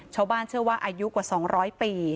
ชาวบ้านเชื่อว่าอายุกว่า๒๐๐ปี